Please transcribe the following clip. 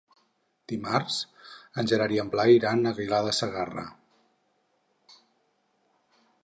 Dimarts en Gerard i en Blai iran a Aguilar de Segarra.